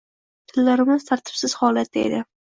Tillarimiz tartibsiz holatda edi